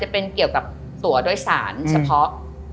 เป็นเกี่ยวกับตัวโดยสารเฉพาะ